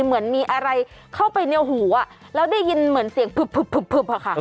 เหมือนมีอะไรเข้าไปในหูแล้วได้ยินเสียงเผืบค่ะ